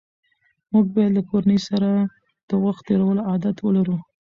موږ باید له کورنۍ سره د وخت تېرولو عادت ولرو